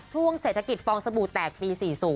ช่วงเศรษฐกิจฟองสบู่แตกปี๔๐